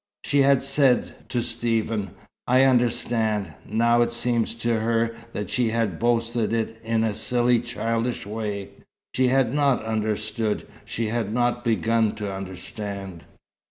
She had said to Stephen, "I understand." Now, it seemed to her that she had boasted in a silly, childish way. She had not understood. She had not begun to understand.